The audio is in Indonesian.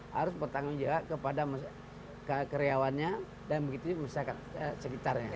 harus bertanggung jawab kepada karyawannya dan masyarakat sekitarnya